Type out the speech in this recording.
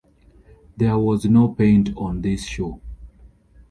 There was no paint on this shoe.